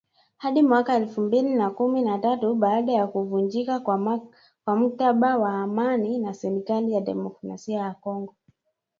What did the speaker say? hadi mwaka elfu mbili na kumi na tatu baada ya kuvunjika kwa mkataba wa amani na serikali ya Demokrasia ya Kongo